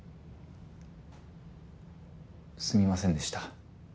すみませんでした。